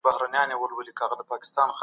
د ملا تر سترګو بـد ايـسو